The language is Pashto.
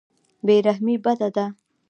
بې رحمي بده ده.